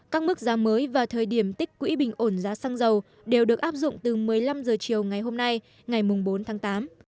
các mức giá mới và thời điểm tích quỹ bình ổn giá xăng dầu đều được áp dụng từ một mươi năm h chiều ngày hôm nay ngày bốn tháng tám